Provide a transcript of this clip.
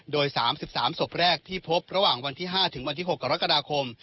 โดย๓๓ศพแรกที่พบระหว่างวันที่๕ถึงวันที่๖กรกฎาคม